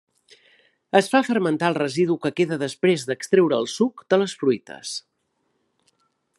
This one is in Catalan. Es fa fermentar el residu que queda després d'extreure el suc de les fruites.